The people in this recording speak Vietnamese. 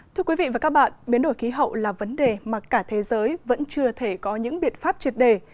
thưa quý vị và các bạn biến đổi khí hậu là vấn đề mà cả thế giới vẫn chưa thể có những biện pháp triệt đề